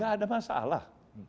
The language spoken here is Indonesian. tidak ada masalah